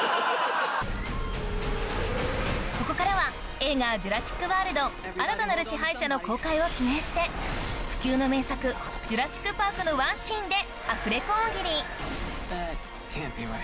ここからは映画『ジュラシック・ワールド新たなる支配者』の公開を記念して不朽の名作『ジュラシック・パーク』のワンシーンでアフレコ大喜利！